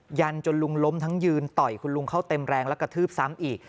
ยันจนลุงล้มทั้งยืนต่อยคุณลุงเข้าเต็มแรงและกระทืบซ้ำอีก